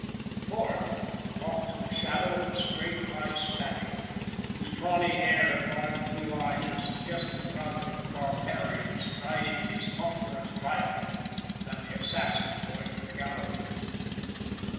The fourth, walked in the shadow of a straight high stature, whose tawny hair and large blue eye were suggestive rather of the barbarian striding in his conqueror's triumph, than the assassin going to the gallows.